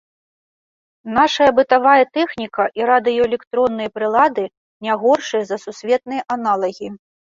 Нашая бытавая тэхніка і радыёэлектронныя прылады не горшыя за сусветныя аналагі.